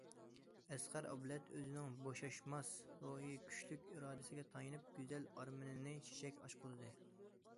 ئەسقەر ئابلەت ئۆزىنىڭ بوشاشماس روھى، كۈچلۈك ئىرادىسىگە تايىنىپ، گۈزەل ئارمىنىنى چېچەك ئاچقۇزدى.